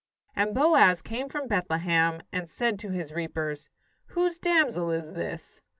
And Boaz came from Bethlehem, and said to his reapers: "Whose damsel is this?"